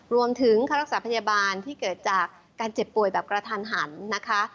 รวมถึงค่ารักษาพยาบาลที่เกิดจากการเจ็บป่วยแบบกระทันหันนะคะ